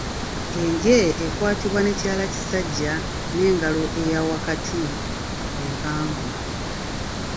Enje ekwatibwa n'ekyalakisajja n'engalo eya wakati, empanvu.